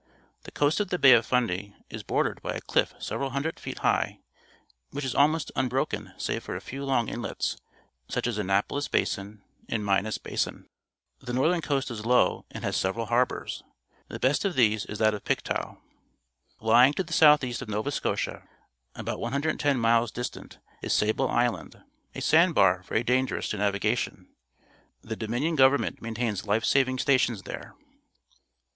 The coast of the Bay of Fundy is bordered by a cliff several hun dred feet high, which is almost unbroken save for a few long inlets, such as Annapolis Basin and Minas Basin. The northern coast is low and has several harbours. The best of these is that of Pictou. L3ang to the south east of Nova Scotia, about 110 miles distant, is Sable Island, a, sand bar very dangerous to navigation. The Dominion Go^'ernment maintains life saving stations there.